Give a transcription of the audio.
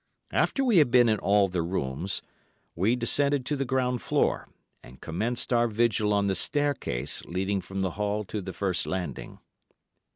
After we had been in all the rooms, we descended to the ground floor, and commenced our vigil on the staircase leading from the hall to the first landing.